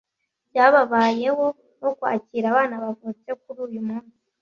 byababayeho no kwakira abana bavutse kuri uyumunsi